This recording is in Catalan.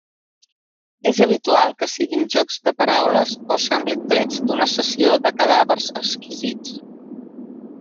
És habitual que siguin jocs de paraules o semblin trets d'una sessió de cadàvers exquisits.